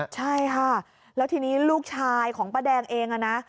ใช่ค่ะแล้วทีนี้ลูกชายของป้าแดงเองนะ